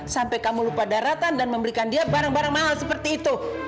sampai kamu lupa daratan dan memberikan dia barang barang mahal seperti itu